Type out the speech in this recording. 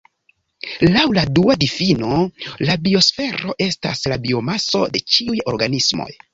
Laŭ la dua difino la biosfero estas la biomaso de ĉiuj organismoj.